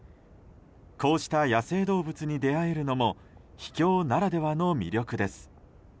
こうした野生動物に出会えるのも秘境ならではの魅力です。